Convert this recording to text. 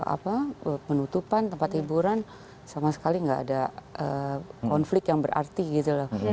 apa penutupan tempat hiburan sama sekali nggak ada konflik yang berarti gitu loh